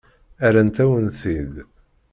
Rrant-awen-t-id.